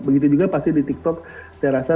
begitu juga pasti di tiktok saya rasa